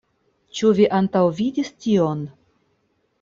Ĉu vi antaŭvidis tion?